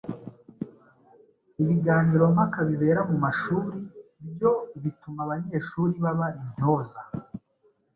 Ibiganiro mpaka bibera mu mashuri byo bituma abanyeshuri baba intyoza